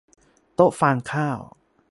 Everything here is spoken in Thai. โต๊ะฟางข้าว